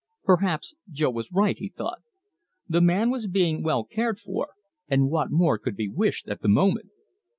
Perhaps Jo was right, he thought. The man was being well cared for, and what more could be wished at the moment?